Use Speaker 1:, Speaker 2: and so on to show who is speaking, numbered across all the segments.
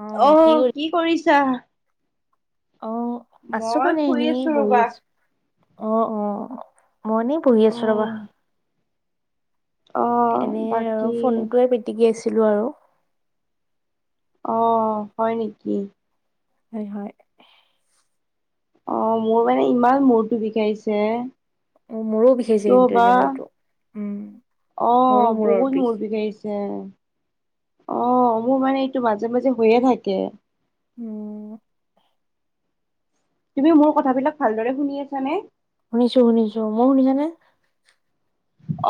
Speaker 1: অ
Speaker 2: অহ,
Speaker 1: কৰি
Speaker 2: কি কৰিছা?
Speaker 1: অহ, আছোঁ
Speaker 2: মই
Speaker 1: মানে
Speaker 2: শুই
Speaker 1: এনেই
Speaker 2: আছো
Speaker 1: বহি
Speaker 2: ৰবা।
Speaker 1: আছোঁ। অহ', অহ'। মই এনেই বহি আছোঁ ৰবা।
Speaker 2: উম অ
Speaker 1: এনেই আৰু
Speaker 2: বাকী
Speaker 1: ফোনটোৱে পিটিকি আছিলোঁ আৰু।
Speaker 2: অহ, হয় নেকি?
Speaker 1: হয়, হয়।
Speaker 2: অহ, মোৰ মানে ইমান মূৰটো বিষাইছে।
Speaker 1: অহ, মোৰো বিষাইছে কিন্তু আজি মূৰতো।
Speaker 2: অহ, বহুত
Speaker 1: বিষ
Speaker 2: মূৰ বিষাইছে। অহ, মোৰ মানে এইটো মাজে-মাজে হৈয়ে থাকে।
Speaker 1: উম।
Speaker 2: তুমি মোৰ কথাবিলাক ভালদৰে শুনি আছানে?
Speaker 1: শুনিছোঁ শুনিছোঁ। মোৰ শুনিছানে?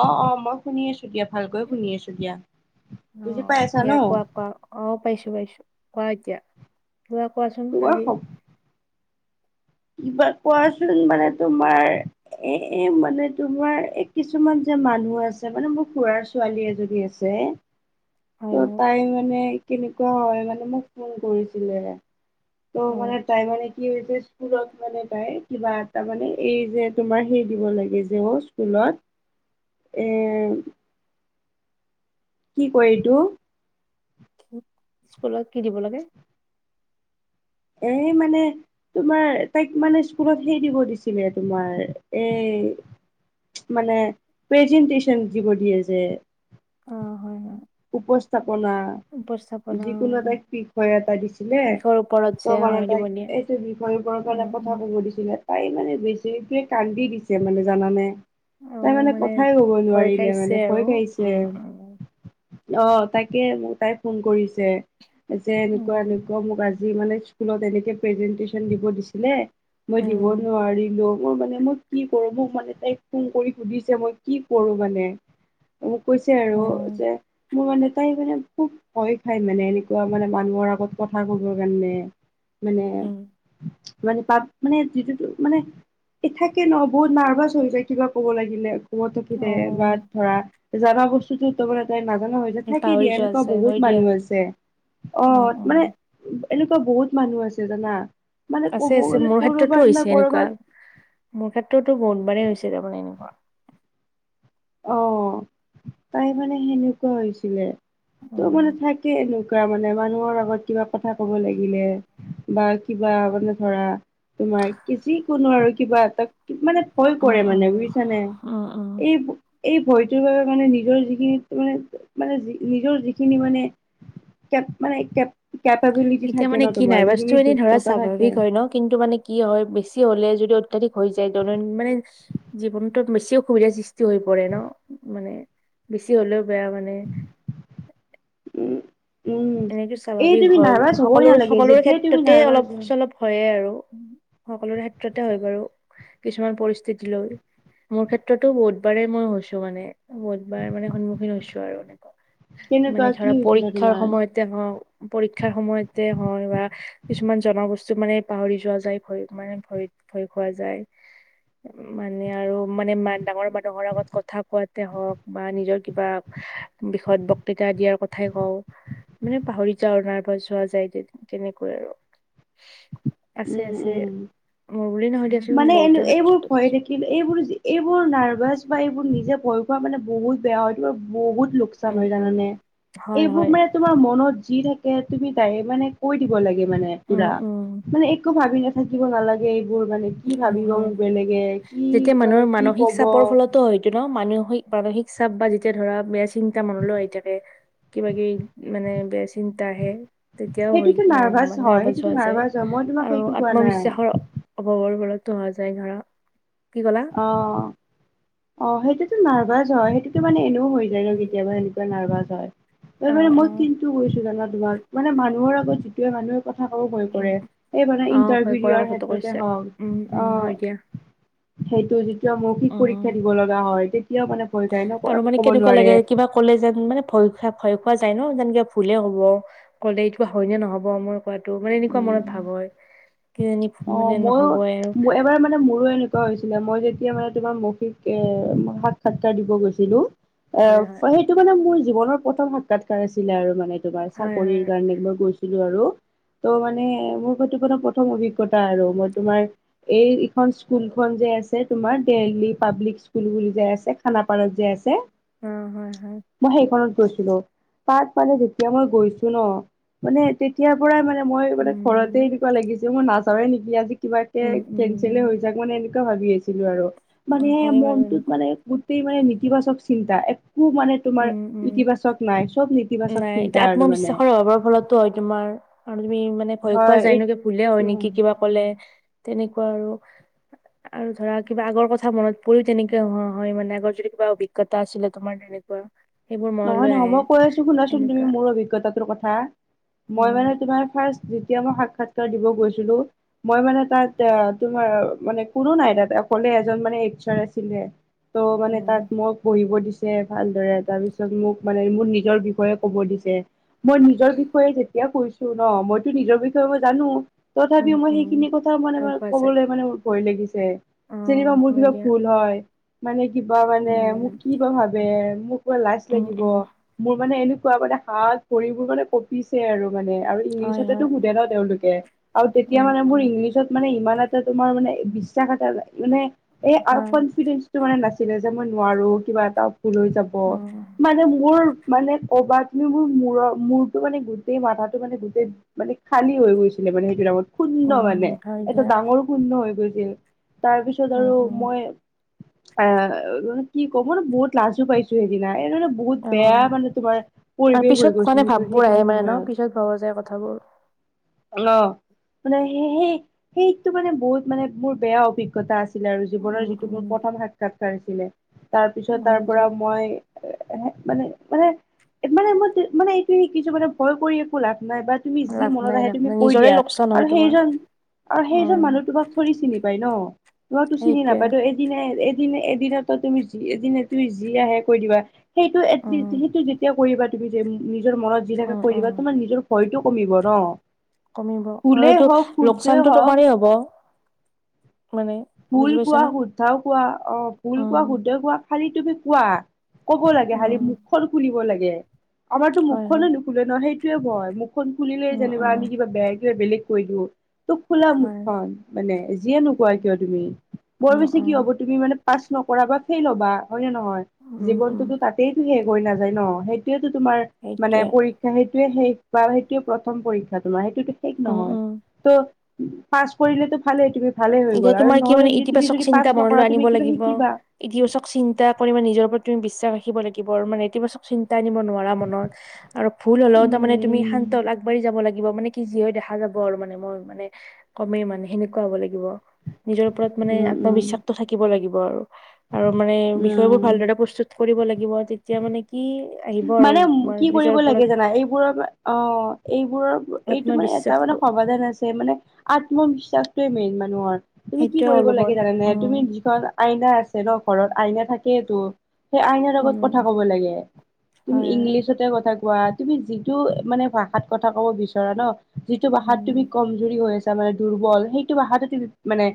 Speaker 2: অহ', অহ' মই শুনি আছোঁ দিয়া। ভালকৈ শুনি আছোঁ দিয়া। বুজি
Speaker 1: অহ,
Speaker 2: পাই আছা
Speaker 1: দিয়া
Speaker 2: ন?
Speaker 1: কোৱা কোৱা। অহ, পাইছোঁ পাইছোঁ কোৱা এতিয়া। কিবা কোৱাচোন আজি?
Speaker 2: তোমাৰ কিবা কোৱাচোন। মানে তোমাৰ এ মানে তোমাৰ এ কিছুমান যে মানুহ আছে মানে মোৰ খুৰাৰ ছোৱালী এজনী আছে।
Speaker 1: হয়
Speaker 2: তো
Speaker 1: হয়
Speaker 2: তাই মানে কেনেকুৱা হয় মানে মোক ফোন কৰিছিলে। তো
Speaker 1: অ
Speaker 2: মানে তাই মানে কি হৈছে স্কুলত মানে তাই কিবা এটা মানে এই যে তোমাৰ সেই দিব লাগে যে অ', স্কুলত। এই কি কয় এইটো?
Speaker 1: স্কুলত কি দিব লাগে?
Speaker 2: এ মানে তোমাৰ তাইক মানে স্কুলত সেই দিব দিছিলে তোমাৰ এ এ মানে প্ৰেজেণ্টেচনছ যিব দিয়ে যে।
Speaker 1: অ', হয় হয়।
Speaker 2: উপস্থাপনা,
Speaker 1: উপস্থাপনা
Speaker 2: যিকোনো এটাই বিষয় এটা দিছিলে।
Speaker 1: বিষয়ৰ ওপৰত
Speaker 2: তো
Speaker 1: যে
Speaker 2: মানে
Speaker 1: হয় দিব
Speaker 2: তাইক
Speaker 1: দিয়ে
Speaker 2: এইটো বিষয়বোৰৰ কাৰণে
Speaker 1: উম
Speaker 2: কথা
Speaker 1: উম
Speaker 2: ক'ব দিছিলে। তাই মানে বেছিকে কান্দি দিছে মানে জানানে। তাই মানে কথাই ক'ব
Speaker 1: ভয়
Speaker 2: নোৱাৰিলে
Speaker 1: খাইছে
Speaker 2: মানে
Speaker 1: আৰু
Speaker 2: ভয়
Speaker 1: উম
Speaker 2: খাইছে। অ', তাকে মোক তাই ফোন কৰিছে যে এনেকুৱা
Speaker 1: উম
Speaker 2: এনেকুৱা মোক আজি আজি মানে স্কুলত এনেকে প্ৰেজেণ্টেচন দিব দিছিলে মই দিব নোৱাৰিলো। মোৰ মানে মই কি কৰো মোক মানে তাইক ফোন কৰি সুধিছে মই কি কৰো মানে। তো মোক কৈছে আৰু যে মোৰ মানে তাই মানে খুব ভয় খায় মানে এনেকুৱা মানে মানুহৰ আগত কথা ক'বৰ কাৰণে। মানে
Speaker 1: উম
Speaker 2: মানে তাত মানে যিটো তো মানে এ থাকে ন বহুত নাৰ্ভাচ হৈ যায় কিবা ক'ব লাগিলে। ক'ব
Speaker 1: অ
Speaker 2: থাকিলে বা ধৰা জানা বস্তুটোত তাৰমানে তাই যিমানৰ হৈছে থাকি
Speaker 1: পাহৰি
Speaker 2: দিয়া
Speaker 1: যোৱা
Speaker 2: এনেকুৱা
Speaker 1: আছে হয়
Speaker 2: বহুত
Speaker 1: দিয়া
Speaker 2: মানুহ আছে।
Speaker 1: উম
Speaker 2: অ',
Speaker 1: উম
Speaker 2: মানে এনেকুৱা বহুত মানুহ আছে জানা। মানে
Speaker 1: আছে
Speaker 2: ক'ব
Speaker 1: আছে।
Speaker 2: গ'লে
Speaker 1: মোৰ ক্ষেত্ৰতো
Speaker 2: কৰবাত না
Speaker 1: হৈছে এনেকুৱা।
Speaker 2: কৰবাত
Speaker 1: মোৰ ক্ষেত্ৰতো বহুত বাৰেই হৈছে দেখোন এনেকুৱা।
Speaker 2: অ', তাই মানে সেনেকুৱা হৈছিলে। তো
Speaker 1: উম
Speaker 2: মানে থাকে এনেকু কুৱা মানে মানুহৰ আগত কিবা কথা ক'ব লাগিলে বা কিবা মানে ধৰা তোমাৰ কি যিকোনো আৰু কিবা এটা। মানে ভয়
Speaker 1: উম
Speaker 2: কৰে
Speaker 1: উম
Speaker 2: মানে বুজিছানে।
Speaker 1: উম উম
Speaker 2: এই এই ভয়টোৰ বাবে মানে নিজৰ যিখিনি মানে মানে নিজৰ যিখিনি মানে কেপ মানে কেপ কেপাবিলিটি
Speaker 1: এতিয়া
Speaker 2: থাকে
Speaker 1: মানে
Speaker 2: ন
Speaker 1: কি নাই
Speaker 2: তোমাৰ
Speaker 1: এবাৰ বস্তু
Speaker 2: যিখিনি
Speaker 1: এনে ধৰা
Speaker 2: যোগ্যতা থাকে
Speaker 1: স্বাভাৱিক হয় ন। কিন্তু মানে কি হয় বেছি হ'লে যদি অত্যাধিক হৈ যায় দৈনন্দিন মানে জীৱনতো বেছি অসুবিধাৰ সৃষ্টি হৈ পৰে ন মানে। বেছি হ'লেও বেয়া মানে।
Speaker 2: উম উম
Speaker 1: এনেকে
Speaker 2: এই
Speaker 1: স্বাভাৱিক
Speaker 2: তুমি
Speaker 1: হয়
Speaker 2: নাৰ্ভাছ হ'বই
Speaker 1: সকলো
Speaker 2: নালাগে
Speaker 1: সকলোৰে
Speaker 2: যেতিয়াই তুমি
Speaker 1: ক্ষেত্ৰতে
Speaker 2: নাৰ্ভাছ হোৱা
Speaker 1: অলপ-চলপ হয়ে আৰু। সকলোৰে ক্ষেত্ৰতে হয় বাৰু। কিছুমান পৰিস্থিতি লৈ। মোৰ ক্ষেত্ৰতো বহুতবাৰে মই হৈছো মানে। বহুতবাৰ মানে সন্মুখীন হৈছো আৰু এনেকুৱা। মানে
Speaker 2: কেনেকুৱা কি
Speaker 1: ধৰা
Speaker 2: হৈছিলে
Speaker 1: পৰীক্ষাৰ
Speaker 2: তোমাৰ
Speaker 1: সময়ত। পৰীক্ষাৰ সময়তে হয় বা কিছুমান জনবস্তু মানে পাহৰি যোৱা যায় ভয়ত মানে। ভৰিত ভয় খোৱা যায়। মানে আৰু মানে মাক ডাঙৰ মানুহৰ আগত কথা কোৱাতে হওঁক বা নিজৰ কিবা বিষয়ত বক্তৃতা দিয়াৰ কথাই কওঁ। মানে পাহৰি যাওঁ ধৰা নাৰ্ভাছ হোৱা যায় তেনেকুৱা আৰু। আছে
Speaker 2: উম
Speaker 1: আছে
Speaker 2: উম
Speaker 1: মই
Speaker 2: মানে এনে এইবোৰ ভয় থাকিলে এইবোৰ এইবোৰ নাৰ্ভাছ বা এইবোৰ নিজে ভয় খোৱা মানে বহুত বেয়া হয় কিবা বহুত
Speaker 1: উম
Speaker 2: লোকচান হয়
Speaker 1: উম
Speaker 2: জানানে
Speaker 1: হয়
Speaker 2: এইবোৰ
Speaker 1: হয়
Speaker 2: মানে তোমাৰ মনত যি থাকে তুমি তাই মানে কৈ দিব লাগে মানে
Speaker 1: উম
Speaker 2: পুৰা।
Speaker 1: উম
Speaker 2: মানে একো ভাবি থাকিব নালাগে এই
Speaker 1: হয় হয়,
Speaker 2: কি
Speaker 1: যেতিয়া মানুহৰ
Speaker 2: মানে কি
Speaker 1: মানসিক
Speaker 2: কব
Speaker 1: চাপৰ ফলতো হয় এইটো ন', মানসিক মানসিক চাপ বা যেতিয়া ধৰা, বেয়া চিন্তা মনলৈ আহি থাকে। কিবা কিবি মানে বেয়া চিন্তা আহে, তেতিয়াও হয়,
Speaker 2: সেইটোতো
Speaker 1: না মানে
Speaker 2: হয়
Speaker 1: নাৰ্ভাচ হোৱা
Speaker 2: সেইটোতো
Speaker 1: যায়।
Speaker 2: নাৰ্ভাচ হয় মই তোমাক
Speaker 1: আৰু
Speaker 2: সেইটো কোৱা নাই
Speaker 1: আত্মবিশ্বাসৰ অভাৱৰ বলতো হোৱা যায় ধৰা। কি ক'লা
Speaker 2: অ', অ', সেইটোতো নাৰ্ভাছ হয়, সেইটোতো মানে হৈ যায় ন'
Speaker 1: উম
Speaker 2: কেতিয়াবা সনেকুৱা নাৰ্ভাচ হয়,
Speaker 1: অ
Speaker 2: তাৰমানে
Speaker 1: অ
Speaker 2: মই কিন্তু কৈছো জানা মানে মানুহৰ আগত, যিটোৱে মানুহ কথা ক'ব ভয়
Speaker 1: উম
Speaker 2: কৰে, সেই মানে
Speaker 1: অ ভয়
Speaker 2: ইণ্টাৰভিউ
Speaker 1: কৰা
Speaker 2: দিয়াৰ
Speaker 1: কথাটো কৈছা
Speaker 2: ক্ষেত্ৰতেই হওঁক,
Speaker 1: উম উম হয় দিয়া
Speaker 2: অহ সেইটো যেতিয়া মৌখিক
Speaker 1: উম
Speaker 2: পৰীক্ষা দিব লগা হয়, তে
Speaker 1: আৰু মানে কেনেকুৱা লাগে? কিবা ক'লে যেন মানে ভয় খো খা খোৱা যায় ন', যেনকে ভুলে হ'ব, ক'লে এইটো হয়নে নহ'ব মোৰ। টো মানে এনেকুৱা
Speaker 2: উম
Speaker 1: মনত ভাব হয়। কিজানি
Speaker 2: অ',
Speaker 1: মানে
Speaker 2: ময়ো,
Speaker 1: নহ'বই আৰু
Speaker 2: এবাৰ মানে মোৰো এনেকুৱা হৈছিলে, মই যেতিয়া মানে তোমাৰ মৌখিক এই সাক্ষাৎকাৰ দিব গৈছিলোঁ, এ
Speaker 1: হয় হয়
Speaker 2: সেইটো মানে মোৰ জীৱনৰ প্ৰথম সাক্ষাৎকাৰ আছিলে আৰু মানে তোমাৰ,
Speaker 1: হয়
Speaker 2: চাকৰিৰ
Speaker 1: হয়
Speaker 2: কাৰণে তোমাৰ গৈছিলোঁ আৰু। ত' মানে মোৰ হয়তো প্ৰথম অভিজ্ঞতা আৰু, মই তোমাৰ এই-এইখন স্কুলখনযে আছে তোমাৰ, দেলহি পাব্লিক স্কুল বুলি যাই আছে, খানাপাৰাত যে আছে।
Speaker 1: অ হয় হয়
Speaker 2: মই সেইখনত গৈছিলোঁ, তাত মানে যেতিয়া মই গৈছোঁ ন', মানে তেতিয়াৰ পৰাই মানে মই মানে ঘৰতেই
Speaker 1: উম
Speaker 2: এনেকুৱা লাগিছে, মই নাযাওঁ নেকি আজি কিবাকে
Speaker 1: উম
Speaker 2: কেনচলেই
Speaker 1: উম
Speaker 2: হৈ যাওঁক, মানে এনেকুৱা ভাবি আছিলোঁ আৰু,
Speaker 1: অ
Speaker 2: মানে
Speaker 1: হয় বাৰু
Speaker 2: মনটোত
Speaker 1: এনেকুৱা
Speaker 2: মানে গোটেই মানে নেতিবাচক চিন্তা। একো মানে তোমাৰ
Speaker 1: উম উম
Speaker 2: ইতিবাচক নাই, চব নেতি
Speaker 1: নাই, এতিয়া আত্মবিশ্বাসৰ অভাৱৰ ফলতো হয় তোমাৰ। তুমি মানে ভয় খোৱা
Speaker 2: হয়
Speaker 1: যায়
Speaker 2: এই
Speaker 1: ন', ভুলে হয় নেকি? কিবা ক'লে, তেনেকুৱা আৰু। আৰু ধৰা কিবা আগৰ কথা মনত পৰিও তেনেকে হোৱা হয় মানে, আগৰ যদি কিবা অভিজ্ঞতা আছিলে তোমাৰ তেনে কোৱা
Speaker 2: নহয় নহয় মই কৈ আছোঁ, শুনাচোন, তুমি
Speaker 1: এনেকুৱা
Speaker 2: মোৰ অভিজ্ঞতাটোৰ কথা, মই
Speaker 1: উম
Speaker 2: মানে তোমাৰ ফাৰ্ষ্ট যেতিয়া মই সাক্ষাৎকাৰ দিব গৈছিলোঁ, মই মানে তাত তোমাৰ মানে কোনো নাই তাত অকলে এজন মানে এইচ আৰ আছিলে, ত' মানে
Speaker 1: উম
Speaker 2: তাত মোক বঢ়িব দিছে ভালদৰে, তাৰপিছত মোক মানে মোৰ নিজৰ বিষয়ে ক'ব দিছে, মই নিজৰ বিষয়ে যেতিয়া কৈছোঁ ন', মইতো নিজৰ বিষয়ে মই জানো,
Speaker 1: উম
Speaker 2: তথাপিওঁ মই
Speaker 1: উম
Speaker 2: সেইখিনি কথা মানে
Speaker 1: গৈ পোৱা যায়
Speaker 2: কবলৈ মানে ভয় লাগিছে।
Speaker 1: অ
Speaker 2: যেনিবা মোৰ
Speaker 1: হয়
Speaker 2: কিবা
Speaker 1: দিয়া
Speaker 2: ভুল হয়, মানে কিবা মানে, মোক
Speaker 1: উম
Speaker 2: কিবা ভাবে? মোক লাজ
Speaker 1: উম
Speaker 2: লাগিব,
Speaker 1: উম
Speaker 2: মোৰ মানে এনেকুৱা মানে হাত ভৰিবোৰ মানে কঁপিছে আৰু। মানে আৰু
Speaker 1: হয়
Speaker 2: ইংলিছতেতো
Speaker 1: হয়
Speaker 2: সোধে ন' তেওঁলোকে, আৰু তেতিয়া
Speaker 1: উম
Speaker 2: মানে মোৰ
Speaker 1: উম
Speaker 2: ইংলিছত মানে ইমান এটা তোমাৰ মানে বিশ্বাস এটা, মানে এই
Speaker 1: হয়
Speaker 2: কনফিডেন্সটো মানে নাছিল। ছিলে যে, মই নোৱাৰো, কিবা এটা ভুল হৈ যাব।
Speaker 1: উম
Speaker 2: মানে মোৰ মানে ক'বাত তুমি মোৰ মৰৰ মূৰটো মানে গোটেই মাথাটো মানে গোটেই মানে খাই হৈ গৈছিলে মানে সেইটো নামত শুন্য
Speaker 1: উম
Speaker 2: মানে,
Speaker 1: হয়
Speaker 2: এটা
Speaker 1: দিয়া
Speaker 2: ডাঙৰ শূন্য হৈ গৈছিল, তাৰপিছত
Speaker 1: উম
Speaker 2: আৰু
Speaker 1: উম
Speaker 2: মই অহ, কি ক'ব ন', বহুত লাজো পাইছোঁ সেইদিনা, [unintelligible] বহুত
Speaker 1: অ
Speaker 2: বেয়া মানে তোমাৰ
Speaker 1: আৰু
Speaker 2: পৰিৱেশ হৈ
Speaker 1: পিছত মানে
Speaker 2: গৈছিল সেইটো,
Speaker 1: ভাববোৰ আহে
Speaker 2: সেইখিনি
Speaker 1: মানে ন
Speaker 2: সময়ত।
Speaker 1: পিছত ভবা যায় কথাবোৰ
Speaker 2: অ', মানে সেই-সেইটো মানে বহুত মানে, মোৰ বেয়া অভিজ্ঞতা আছ ছিলে আৰু, জীৱনৰ
Speaker 1: উম
Speaker 2: যিটো মোৰ
Speaker 1: উম
Speaker 2: প্ৰথম সাক্ষাৎকাৰ আছিলে, তাৰপিছত
Speaker 1: হয়
Speaker 2: তাৰপৰা
Speaker 1: দিয়া
Speaker 2: মই মানে, মানে মানে, মই মানে এইটো শিকিছোঁ, মানে ভয় কৰি একো লাভ নাইবা তুমি যি
Speaker 1: লাভ
Speaker 2: মনত
Speaker 1: নাই
Speaker 2: আহে
Speaker 1: লাভ
Speaker 2: তুমি
Speaker 1: নাই
Speaker 2: কৈ
Speaker 1: নিজৰে
Speaker 2: দিয়া,
Speaker 1: লোকচান
Speaker 2: আৰু
Speaker 1: হয় তোমাৰ
Speaker 2: সেইজন আৰু সেইজন
Speaker 1: উম
Speaker 2: মানুহ তোমাক থ'ৰি চিনি পায় ন', তোমাকতো চিনি
Speaker 1: সেইটোৱে
Speaker 2: নাপায় ত' এদিন এদিন, এদিনে তুমি যি, এদিনে তুমি যি আহে কৈ দিবা। সেইটো
Speaker 1: উম
Speaker 2: এলিষ্ট, সেইটো যেতিয়া কৰিবা তুমি যে নিজৰ মনত যি থাকে
Speaker 1: উম
Speaker 2: কৈ
Speaker 1: উম
Speaker 2: দিবা। তোমাৰ নিজৰ ভয়টো কমিব ন'।
Speaker 1: কমিব, আৰু
Speaker 2: ভুলেই
Speaker 1: এইটো
Speaker 2: হওক শুদ্ধই
Speaker 1: লোকচানটো
Speaker 2: হওক
Speaker 1: তোমাৰে হ'ব। মানে
Speaker 2: ভুল
Speaker 1: বুজি
Speaker 2: কোৱা,
Speaker 1: পাইছানে?
Speaker 2: শুদ্ধাও কোৱা। অ', ফুল কোৱা
Speaker 1: উম
Speaker 2: শুদ্ধ কোৱা খালি তুমি কোৱা। ক'ব লাগে খালি।
Speaker 1: উম
Speaker 2: মুখখন খুলিব লাগে। আমাৰতো
Speaker 1: হয় হয়
Speaker 2: মুখনে নুখোলে ন'। সেইটোয়ে ভয়, মুখখন খুলিলেই
Speaker 1: উম
Speaker 2: যেনিবা
Speaker 1: উম
Speaker 2: আমি নে কিবা বেলেগ কৈ দিওঁ। তোক খোলা
Speaker 1: হয়
Speaker 2: মুখখন, মানে যিয়ে নোকোৱা কিয় তুমি বৰ
Speaker 1: উম
Speaker 2: বেছি কি
Speaker 1: উম
Speaker 2: হ'ব তুমি মানে পাছ নকৰা বা ফেইল হ'বা। হয় নে নহয়।
Speaker 1: উম উম
Speaker 2: জীৱনটোতো তাতেইতো শেষ হৈ নাযায় ন'। সেইটোয়োটো তোমাৰ মানে
Speaker 1: সেইটোৱে
Speaker 2: পৰীক্ষা। সেইটোয়ে শেষ বা সেইটোয়ে প্ৰথম পৰীক্ষা তোমাৰ। সেই টোটো ঠিক
Speaker 1: উম
Speaker 2: নহয়।
Speaker 1: উম
Speaker 2: ত', পাছ কৰিলেটো ভালে, তুমি ভালে হৈ
Speaker 1: এতিয়া
Speaker 2: গ'ল আৰু
Speaker 1: তোমাৰ কি
Speaker 2: নহ'লে
Speaker 1: মানে
Speaker 2: যদি তুমি
Speaker 1: ইতিবাচক
Speaker 2: যদি পাছ
Speaker 1: চিন্তা মনলৈ
Speaker 2: নকৰা তুমি
Speaker 1: আনিব
Speaker 2: কিবা
Speaker 1: লাগিব।
Speaker 2: শিকিবা।
Speaker 1: ইতিবাচক চিন্তা কৰি মানে নিজৰ প্ৰত তুমি বিশ্বাস ৰাখিব লাগিব আৰু মানে ইতিবাচক চিন তাই নিব নোৱাৰা মনত, আৰু ভুল হ'লেও তাৰমানে তুমি
Speaker 2: উম
Speaker 1: শান্তল, আগবাঢ়ি যাব লাগ লিব মানে কি, যি হৈ দেখা যাব আৰু মানে মই মানে কমেই মানে সেনেকুৱা হ'ব লাগিব। নিজৰ ওপৰত মানে
Speaker 2: উম উম
Speaker 1: আত্মবিশ্বাসটো থাকিব লাগিব আৰু। আৰু মানে বিষয়বোৰ
Speaker 2: উম
Speaker 1: ভালদৰে প্ৰস্তুত কৰিব লাগিব, তেতিয়া মানে কি আহিব আৰু
Speaker 2: মানে কি
Speaker 1: নিজৰ
Speaker 2: কৰিব
Speaker 1: ওপৰত
Speaker 2: লাগে জানা। এইবোৰৰ অ', এইবোৰৰ এইটো মানে এটা
Speaker 1: আত্মবিশ্বাসটো
Speaker 2: মানে সমাধান আছে, মানে আত্মবিশ্বাসটোৱে মেইন মানুহৰ। তুমি কি
Speaker 1: সেইটোৱে
Speaker 2: কৰিব
Speaker 1: অলপমান
Speaker 2: লাগে জানে নে?
Speaker 1: উম
Speaker 2: তুমি যিখন আইনা আছে ন', ঘৰত, আইনা থাকেইেতো। সেই আইনাৰ আগত
Speaker 1: উম
Speaker 2: কথা ক'ব লাগে। তুমি
Speaker 1: হয়
Speaker 2: ইংলিছতে কথা কোৱা। তুমি যিটো মানে ভাষাত কথা ক'ব বিচৰা ন' যিটো ভাষাত
Speaker 1: উম
Speaker 2: তুমি কমজুৰি হৈ আছা, মানে দুৰ্বল। সেইটো ভাষাতে তুমি মানে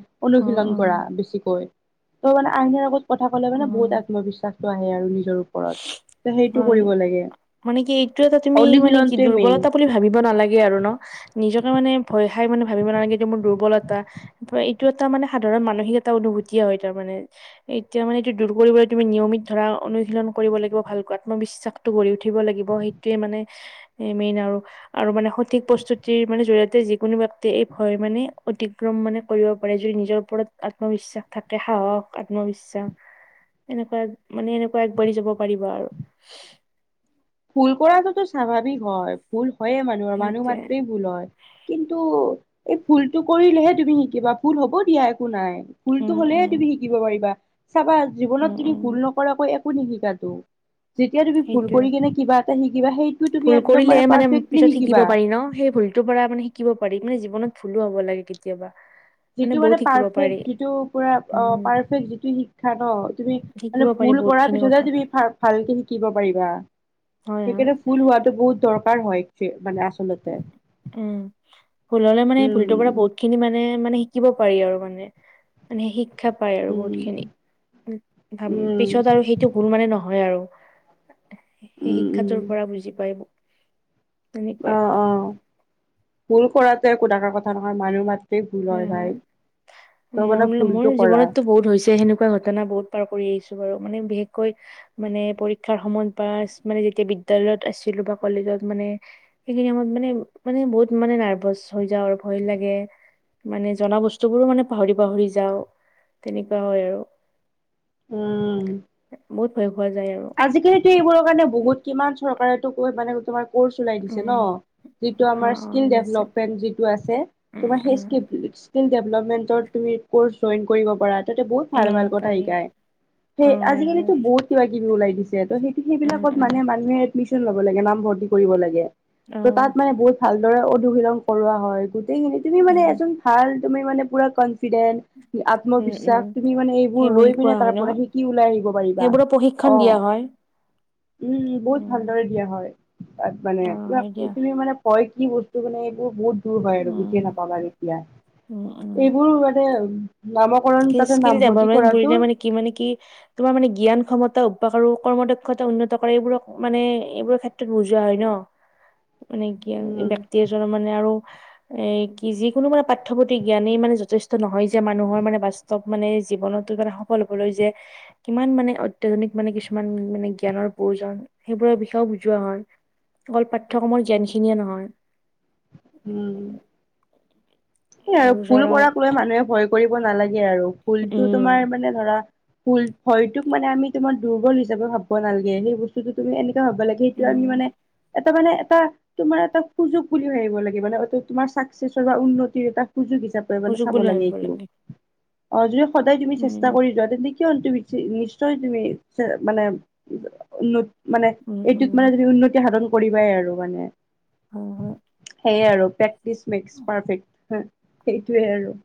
Speaker 1: অ
Speaker 2: অনুশীলন
Speaker 1: অ
Speaker 2: কৰা বেছিকৈ। ত' মানে আইনৰ আগত কথা ক'লে
Speaker 1: অ',
Speaker 2: মানে বহুত আত্মবিশ্বাস ত', আহে আৰু নিজৰ ওপৰত। ত', সেইটো
Speaker 1: হয়।
Speaker 2: কৰিব লাগে।
Speaker 1: মানে কি, এইটো এটা তুমি মানে কি
Speaker 2: অনুশীলনটোৱে মেইন
Speaker 1: দুৰ্বলতা বুলি ভাবিব নালাগে আৰু ন'। নিজকে মানে ভয় ভাই মানে ভাবিব নালাগে এইটো মোৰ দুৰ্বলতা। এইটো এটা মানে সাধাৰণ মানসিক এটা অনুভূতি হয়, তাৰ মানে এতিয়া মানে এইটো দুৰ্বল বুলি তুমি নিয়মিত ধৰা, অনুশীলন কৰিব লাগিব ভালকৈ। আত্মবিশ্বাসটো গঢ় উঠিব লাগিব, সেইটোয়ে মানে মেইন আৰু মানে সঠিক প্ৰস্তুতিৰ মানে জৰি়য়তে, যিকোনো ব্যক্তিয়ে এই ভয় মানে অতিক্ৰম মানে কৰিব পাৰে। যদি নিজৰ ৰত আত্মবিশ্বাস থাকে। সাহস, আত্মবিশ্বাস, এনেকুৱা মানে এনেকুৱা কৰি যাব পাৰিব আৰু।
Speaker 2: ভূল কৰাটোতো স্বাভাৱিক হয়। ভুল হয়য়ে মানুহৰ, মানুহ
Speaker 1: সেইটোৱে।
Speaker 2: মাত্ৰ ভুল হয়। কিন্তু এই ভুলটো কৰিলেহে তুমি শিকিবা। ভুল হ'ব দিয়া, একো নাই।
Speaker 1: উম,
Speaker 2: ভুলতো
Speaker 1: উম,
Speaker 2: হ'লেহে তুমি শিকিব পাৰিবা। চাবা, জীৱনত
Speaker 1: উম,
Speaker 2: তুমি
Speaker 1: উম,
Speaker 2: ভুল নকৰাকৈ একো নিশিকাতো। যেতিয়া তুমি ভুল
Speaker 1: সেইটোয়ে
Speaker 2: কৰি কিনে কিবা এটা শিকিবা সেইটো তুমি
Speaker 1: ভুল
Speaker 2: একদম
Speaker 1: কৰিলেহে মানে
Speaker 2: পাৰফেক্টলি
Speaker 1: পিছত শিকিব
Speaker 2: শিকিবা
Speaker 1: পাৰি ন'। সেই ভুলটোৰ পৰা মানে শিকিব পাৰি মানে, জীৱনত ভুলো হ'ব লাগে কেতিয়াবা।
Speaker 2: যিটো
Speaker 1: বহুত
Speaker 2: মানে
Speaker 1: শিকিব
Speaker 2: পাৰফেক,
Speaker 1: পাৰি
Speaker 2: যিটো পুৰা অ'।
Speaker 1: উম,
Speaker 2: পাৰফেক্ট যিটো শিক্ষা ন', তুমি
Speaker 1: শিকিব
Speaker 2: মানে
Speaker 1: পাৰি
Speaker 2: ভূল
Speaker 1: বহুত
Speaker 2: কৰাৰ
Speaker 1: খিনি কথা
Speaker 2: পিছতহে, তুমি ভাল, ভালকে শিকিব পাৰিবা।
Speaker 1: হয়, হয়,
Speaker 2: সেইকাৰণে ভুল হোৱা বহুত দৰকাৰ হয়। মানে আচলতে
Speaker 1: উম। ভুল হ'লে মানে ভুলটোৰ পৰা
Speaker 2: উম।
Speaker 1: বহুত খিনি মানে মানে শিকিব পাৰি আৰু মানে। মানে শিক্ষা পায় আৰু বহুত
Speaker 2: উম,
Speaker 1: খিনি।
Speaker 2: উম,
Speaker 1: পিছত আৰু সেইটো ভুল মানে নহয় আৰু। সেই
Speaker 2: উম,
Speaker 1: শিক্ষাটোৰ
Speaker 2: উম,
Speaker 1: পৰা বুজি পাই। তেনেকুৱা
Speaker 2: অ, অ'। ভুল কৰাটো একো ডাঙৰ কথা নহয়। মানুহ মাত
Speaker 1: হয়, হয়।
Speaker 2: মানে
Speaker 1: মোৰ মোৰ
Speaker 2: ভুলটো কৰা।
Speaker 1: জীৱনতটো বহুত হৈছে সেনেকুৱা ঘটনা, বহুত পাৰ কৰি আহিছো বাৰু, মানে বিশেষকৈ মানে পৰীক্ষাৰ সময়ত বা মানে যেতিয়া বিদ্যালয়ত আছিল লোবা কলেজত মানে সেইখিনি সময়ত মানে মানে বহুত মানে নাৰ্ভাচ হৈ যাওঁ আৰু ভয় লাগে। মানে জনা বস্তুবোৰো মানে পাহৰি পাহৰি যাওঁ, তেনেকুৱা হয় আৰু।
Speaker 2: উম।
Speaker 1: বহুত ভয় খোৱা যায় আৰু।
Speaker 2: আজিকালিতো এইবোৰৰ কাৰণে বহুত কিমান চৰকাৰেতো মানে তোমাৰ ক'ৰ্চ ওলাই দিছে
Speaker 1: উম
Speaker 2: ন। যিটো
Speaker 1: হা
Speaker 2: আমাৰ
Speaker 1: অ
Speaker 2: স্কিল
Speaker 1: নিছে
Speaker 2: ডেভলপমেন্ট যিটো আছে
Speaker 1: উম
Speaker 2: তোমাৰ সেই
Speaker 1: উম
Speaker 2: স্কে স্কেল ডেভেলেপমেণ্টৰ তুমি ক'ৰ্চ জইন কৰিব পাৰা। বহুত ভাল
Speaker 1: অ
Speaker 2: ভাল কথা
Speaker 1: পাৰি
Speaker 2: শিকাই। সেই
Speaker 1: অ হয় হয়
Speaker 2: আজিকালিতো বহুত কিবা কিবি ওলাই দিছে। সেইটো টো
Speaker 1: উম
Speaker 2: সেইবিলাকত
Speaker 1: উম
Speaker 2: মানে মানুহে এডমিশ্যন ল'ব লাগে নাম ভৰ্তি কৰিব লাগে।
Speaker 1: অ
Speaker 2: টো তাত মানে বহুত ভালদৰে অনুশীলন কৰোৱা হয় গোটেইখিনি তুমি মানে
Speaker 1: উম
Speaker 2: এজন ভাল। তুমি মানে পোৰা কন কনফ্ৰিডেন,
Speaker 1: উম
Speaker 2: আত্মবিশ্বাস
Speaker 1: উম
Speaker 2: তুমি মানে এইবোৰ
Speaker 1: সেইবোৰ
Speaker 2: লৈ পিনে
Speaker 1: শিকোৱা হয়
Speaker 2: তাৰ
Speaker 1: ন
Speaker 2: পৰা সিকি ওলাই আহিব পাৰিবা।
Speaker 1: সেইবোৰৰ প্ৰশিক্ষণ
Speaker 2: অ'
Speaker 1: দিয়া হয়
Speaker 2: উম, বহুত
Speaker 1: উম
Speaker 2: ভালদৰে দিয়া হয়। তাত মানে
Speaker 1: অ',
Speaker 2: তম
Speaker 1: হয় দিয়া
Speaker 2: তুমি মানে কয় কি বস্তু মানে এইবোৰ বহুত। হয় আৰু বুজি
Speaker 1: উম,
Speaker 2: নাপাবা কেতিয়া
Speaker 1: উম,
Speaker 2: এইবোৰ মানে। নামকৰণ তাতে নামভৰ্তি
Speaker 1: স্কিলডেভলমেণ্ট
Speaker 2: কৰাটো
Speaker 1: বোলিলে মানে কি মানে কি তোমাৰ মানে জ্ঞান সন্মত। উপসাৰো কৰ্ম দক্ষতা উন্নত কৰে এইবোৰক মানে এইবোৰৰ ক্ষেত্ৰত বুজোৱা হয় ন। মানে কি
Speaker 2: উম,
Speaker 1: ব্যক্তি এজন মানে আৰু। এ কি যি কোনো মানে পাঠ্যপুথি জ্ঞানেই মানে যথেষ্ট নহয় যে মানুহৰ মানে বাস্তৱিক চ'ব মানে জীৱনত কাৰাণে সফল হ'বলৈ যে কিমান মানে অত্যাধুনিক মানে কিছুমান মানে জ্ঞানৰ প্ৰয়োজন, সেইবোৰৰ বিষয়েও বুজোৱা হয়। অকল পাঠ্যয়ক্ৰমৰ জ্ঞানখিনিয়ে নহয়।
Speaker 2: উম, আৰু ভুল কৰাক লৈ মানুহে ভয় কৰিব নালাগে আৰু। ফুলটো
Speaker 1: উম,
Speaker 2: তোমাৰ মানে ধৰা। ভূল ভয়টোক মানে আমি তোমাৰ দুৰ্বল হিচাপে ভাব নালাগে সেই বস্তুটো তুমি এনে। হ'ব লাগে, সেইটো আমি
Speaker 1: উম,
Speaker 2: মানে এটা মানে এটা তোমাৰ এটা সুযোগ বুলি ভাবিব লাগে। মানে অ' তোমাৰ চাকচেছৰ বা উন্নতিৰ এটা সুযোগ হিচাপে মানে
Speaker 1: সুযোগ
Speaker 2: চাব
Speaker 1: বুলি
Speaker 2: লাগে
Speaker 1: ভাবিব
Speaker 2: এইটো। অ' যদি সদায় তুমি
Speaker 1: উম
Speaker 2: চেষ্টা কৰি যোৱা তেন্তে। কিয় তুমি নিশ্চয় তুমি মানে উন্নতি। মানে
Speaker 1: উম
Speaker 2: এইটোত
Speaker 1: উম
Speaker 2: মানে তুমি উন্নতি সাধন কৰিবাই আৰু মানে।
Speaker 1: হ'ম হ'ম।
Speaker 2: সেয়ে আৰু প্ৰেক্টিচ মেক্স পাৰফেক্ট সেইটোৱে আৰু।